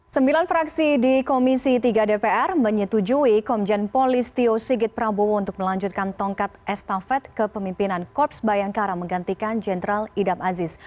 sembilan fraksi di komisi tiga dpr menyetujui komjen polis tio sigit prabowo untuk melanjutkan tongkat estafet ke pemimpinan korps bayangkara menggantikan jenderal idam aziz